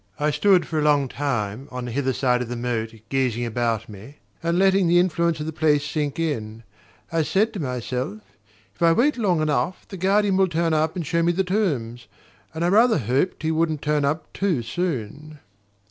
I stood for a long time on the hither side of the moat, gazing about me, and letting the influence of the place sink in. I said to myself: "If I wait long enough, the guardian will turn up and show me the tombs " and I rather hoped he wouldn't turn up too soon.